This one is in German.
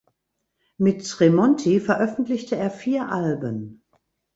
Mit Tremonti veröffentlichte er vier Alben.